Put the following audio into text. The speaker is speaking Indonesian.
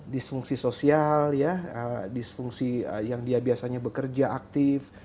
disfungsi sosial disfungsi yang dia biasanya bekerja aktif